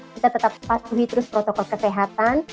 kita tetap patuhi terus protokol kesehatan